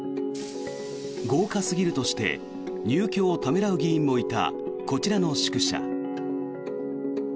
豪華すぎるとして入居をためらう議員もいたこちらの宿舎。